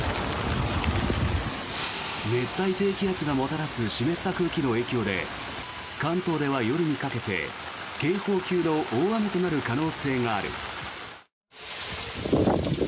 熱帯低気圧がもたらす湿った空気の影響で関東では夜にかけて警報級の大雨となる可能性がある。